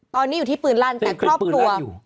ตอนนี้อยู่ที่ปืนลั่นแต่ครอบครัว